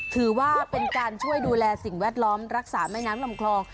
ถือว่าเป็นการช่วยดูแลสิ่งแวดล้อมรักษาแม่น้ำลำคลอง